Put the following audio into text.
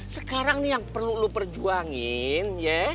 sekarang nih yang perlu lu perjuangin